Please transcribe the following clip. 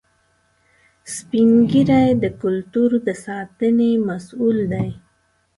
سپین ږیری د کلتور د ساتنې مسؤل دي